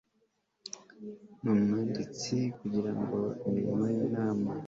n umwanditsi kugirango imirimo y inama